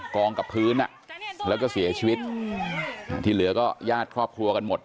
กองกับพื้นแล้วก็เสียชีวิตที่เหลือก็ญาติครอบครัวกันหมด